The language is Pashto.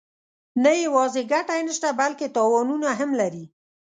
نه یوازې ګټه یې نشته بلکې تاوانونه هم لري.